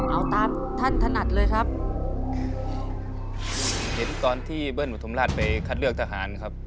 เอาตามท่านถนัดเลยครับ